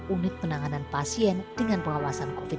unit penanganan pasien dengan pengawasan covid sembilan belas